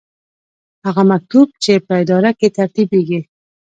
هغه مکتوب چې په اداره کې ترتیبیږي.